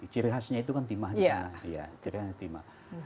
ciri khasnya itu kan timah